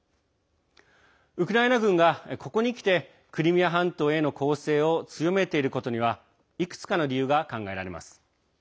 ウクライナ軍が、ここにきてクリミア半島への攻勢を強めていることにはいくつかの理由が考えられます。